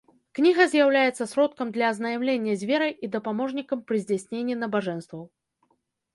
Кніга з'яўляецца сродкам для азнаямлення з верай і дапаможнікам пры здзяйсненні набажэнстваў.